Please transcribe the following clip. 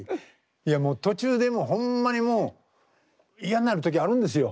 いやもう途中でもうホンマにもう嫌んなる時あるんですよ。